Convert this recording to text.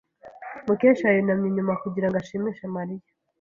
Mukesha yunamye inyuma kugirango ashimishe Mariya.